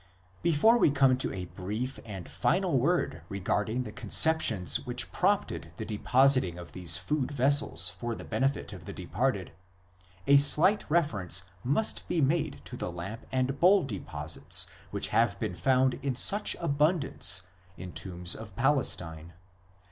5 Before we come to a brief and final word regarding the conceptions which prompted the depositing of these food vessels for the benefit of the departed, a slight reference must be made to the lamp and bowl deposits which have been found in such abundance in tombs in Palestine.